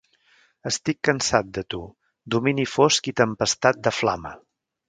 Estic cansat de tu, domini fosc i tempestat de flama.